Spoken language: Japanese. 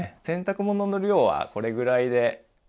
洗濯物の量はこれぐらいで。